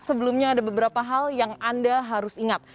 sebelumnya ada beberapa hal yang anda harus ingat